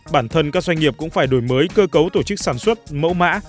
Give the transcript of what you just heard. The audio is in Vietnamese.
bản thân các doanh nghiệp cũng phải đổi mới cơ cấu tổ chức sản xuất mẫu mã